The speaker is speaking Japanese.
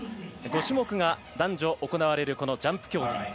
５種目が男女行われるジャンプ競技。